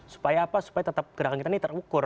supaya apa supaya tetap gerakan kita ini terukur